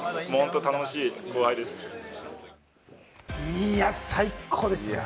いや、最高でした。